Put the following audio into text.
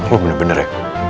lo bener bener ya